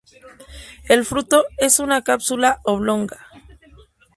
El fruto es una cápsula oblonga.